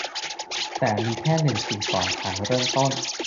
แต่มีแค่หนึ่งสิ่งก่อนฉันเริ่มต้น